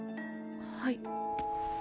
はい。